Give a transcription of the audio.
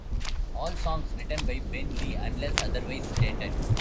"All songs written by Ben Lee unless otherwise stated"